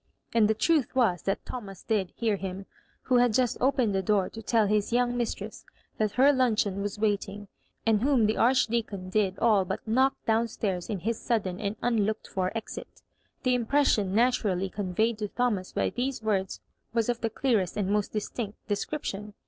And the truth was that Thomas did hear him, who had Just opened the door to tell his young mistress that her luncheon was waiting, and whom the Archdeacon did all but knock down stairs in his sudden and unlook ed for exit. The impression naturally conveyed to Thomas by these words was of the clearest and most distinct description.